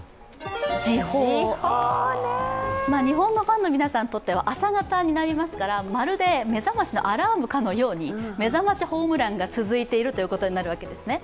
日本のファンの皆さんにとっては朝方になりますのでまるで目覚ましのアラームかのように目覚ましホームランが続いているということになるわけですね。